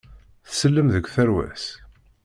Tsellem deg tarwa-s.